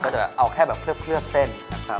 เราจะเอาแค่เคลืบเส้นนะครับ